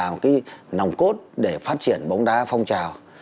nó là cái nòng cốt để phát triển bóng đá phong trào